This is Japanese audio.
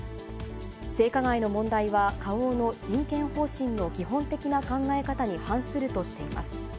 性加害の問題は花王の人権方針の基本的な考え方に反するとしています。